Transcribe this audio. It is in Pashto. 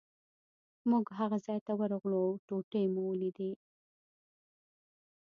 موږ هغه ځای ته ورغلو او ټوټې مو ولیدې.